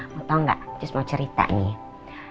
mau tau gak terus mau cerita nih